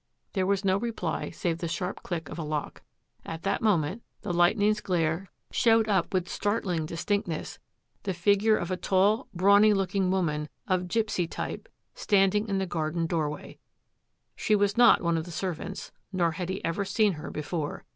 There was no reply save the sharp click of a lock. At that moment the lightning's glare showed up with startling distinctness the figure of a tall, brawny looking woman of gipsy type stand ing in the garden doorway. She was not one of the servants, nor had he ever seen her before.